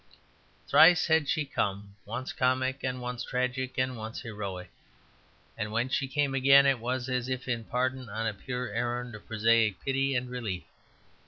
Thrice had she come, once comic and once tragic and once heroic. And when she came again it was as if in pardon on a pure errand of prosaic pity and relief.